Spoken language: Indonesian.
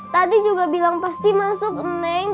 tadi juga bilang pasti masuk neng